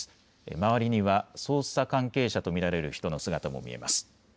周りには捜査関係者と見られる人の姿も見えます。